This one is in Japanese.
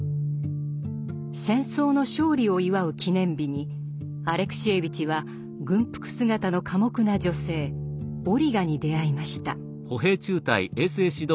戦争の勝利を祝う記念日にアレクシエーヴィチは軍服姿の寡黙な女性オリガに出会いました。